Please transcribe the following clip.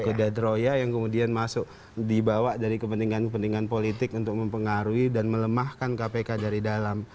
kuda troya yang kemudian masuk dibawa dari kepentingan kepentingan politik untuk mempengaruhi dan melemahkan kpk dari dalam